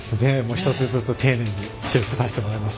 一つずつ丁寧に修復させてもらいます。